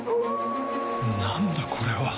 なんだこれは